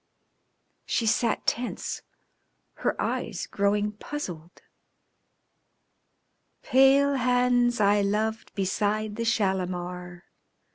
She sat tense, her eyes growing puzzled. _"Pale hands I loved beside the Shalimar.